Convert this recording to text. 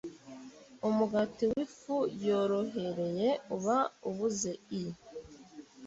Umugati w’ifu yorohereye uba ubuze i